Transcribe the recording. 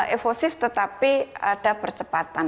evosif tetapi ada percepatan